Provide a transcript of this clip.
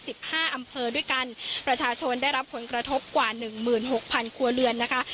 สิบห้าอำเภอด้วยกันประชาชนได้รับผลกระทบกว่าหนึ่งหมื่นหกพันครัวเรือนนะคะ